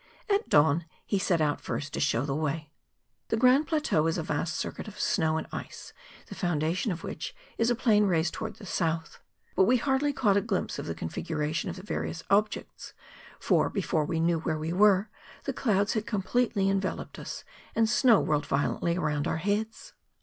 At dawn he set out first to show the way. The Grand Plateau is a vast circuit of snow and ice, the foundation of which is a plane raised towards the south. But we hardly caught a glimpse of the configuration of the various objects, for before we knew where we were, the clouds had completely enveloped us, and snow whirled vio¬ lently around our heads.